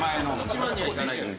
１万にはいかない。